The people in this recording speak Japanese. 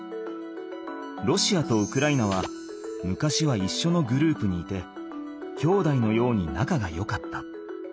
ロシアとウクライナは昔はいっしょのグループにいてきょうだいのようになかがよかった。